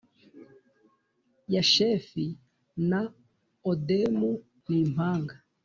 yashefi na odemu nimpanga